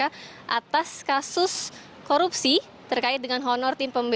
atas kasus korupsi terkait dengan penanganan perkara dalam bantaran sungai